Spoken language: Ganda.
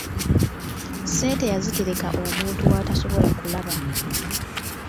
Ssente yaziterekka omuntu w'atasobola kulaba.